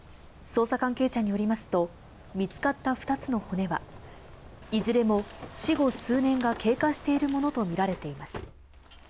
捜査関係者によりますと、見つかった２つの骨は、いずれも死後数年が経過しているものと見られています。